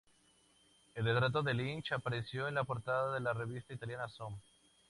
El retrato de Lynch apareció en la portada de la revista italiana Zoom.